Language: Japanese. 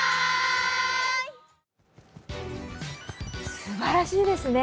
すばらしいですね。